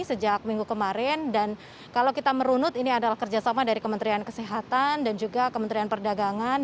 sejak minggu kemarin dan kalau kita merunut ini adalah kerjasama dari kementerian kesehatan dan juga kementerian perdagangan